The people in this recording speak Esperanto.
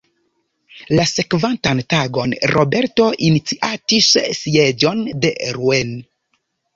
La sekvantan tagon Roberto iniciatis sieĝon de Rouen.